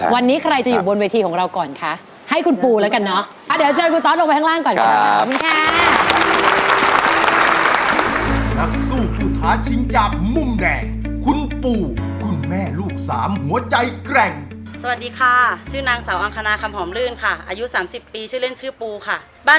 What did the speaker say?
วันนี้ใครจะอยู่บนวิธีของเราก่อนคะให้คุณปูแล้วกันเนาะ